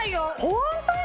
ホントに？